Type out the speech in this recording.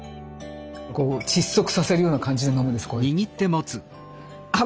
こう窒息させるような感じで飲むんですこうやって。